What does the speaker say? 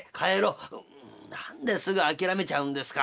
「何ですぐ諦めちゃうんですか。